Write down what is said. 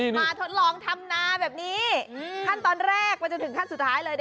ทดลองทำนาแบบนี้ขั้นตอนแรกไปจนถึงขั้นสุดท้ายเลย